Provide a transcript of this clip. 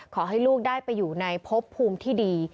ขอให้ลูกได้ไปอยู่ในพบภูมิที่ดี